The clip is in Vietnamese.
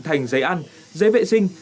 thành giấy ăn giấy vệ sinh